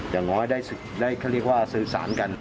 อย่างน้อยได้สื่อสารกัน